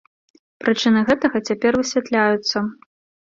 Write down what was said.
Прычыны гэтага цяпер высвятляюцца.